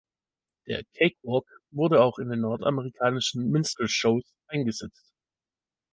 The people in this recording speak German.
Der "Cakewalk" wurde auch in den nordamerikanischen Minstrel Shows eingesetzt.